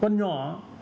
và người nhà trợ